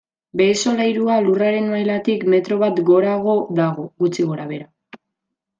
Behe-solairua lurraren mailatik metro bat gorago dago, gutxi gorabehera.